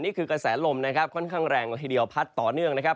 กระแสลมนะครับค่อนข้างแรงละทีเดียวพัดต่อเนื่องนะครับ